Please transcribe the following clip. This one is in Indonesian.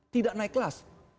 tidak naik kelas